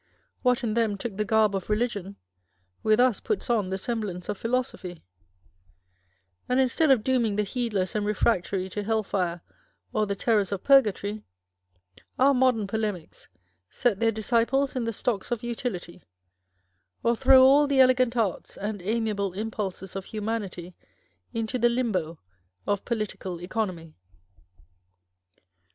What in them took the garb of religion, with us puts on the semblance of philosophy ; and instead of dooming the heedless and refractory to hell fire or the terrors of purgatory, our modern polemics set their disciples in the stocks of Utility, or throw all the elegant arts and amiable impulses of humanity into the limbo of Political Economy.